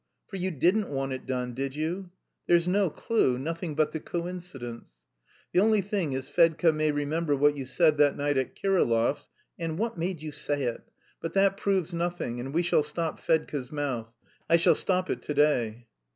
For you didn't want it done, did you? There's no clue, nothing but the coincidence.... The only thing is Fedka may remember what you said that night at Kirillov's (and what made you say it?) but that proves nothing and we shall stop Fedka's mouth. I shall stop it to day...."